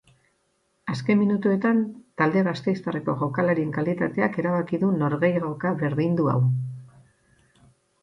Azken minutuetan talde gasteiztarreko jokalarien kalitateak erabaki du norgehiagoka berdindu hau.